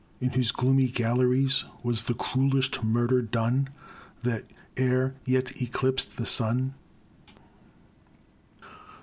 In whose gloomy galleries Was the cruellest murder done That e're yet eclipst the snnne."